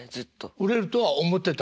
売れるとは思ってた。